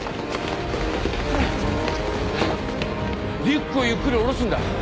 リュックをゆっくり下ろすんだ。